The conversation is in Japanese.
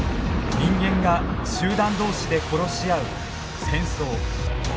人間が集団同士で殺し合う戦争。